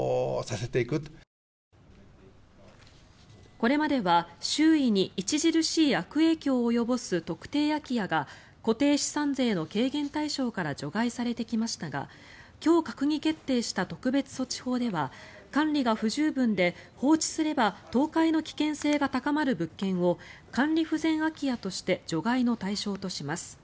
これまでは周囲に著しい悪影響を及ぼす特定空き家が固定資産税の軽減対象から除外されてきましたが今日、閣議決定した特別措置法では管理が不十分で放置すれば倒壊の危険性が高まる物件を管理不全空き家として除外の対象とします。